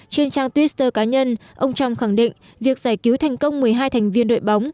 trên trang twitter cá nhân ông trump khẳng định việc giải cứu thành công một mươi hai thành viên đội bóng